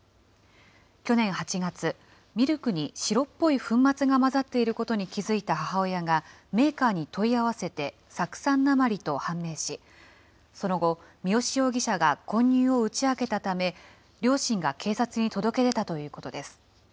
去年８月、ミルクに白っぽい粉末が混ざっていることに気付いた母親が、メーカーに問い合わせて、酢酸鉛と判明し、その後、三好容疑者が混入を打ち明けたため、両親が警察に届け出たということです。